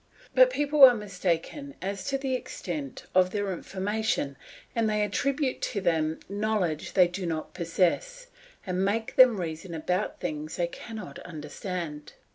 But people are mistaken as to the extent of their information, and they attribute to them knowledge they do not possess, and make them reason about things they cannot understand.